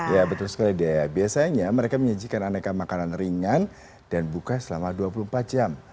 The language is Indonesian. ya betul sekali dea biasanya mereka menyajikan aneka makanan ringan dan buka selama dua puluh empat jam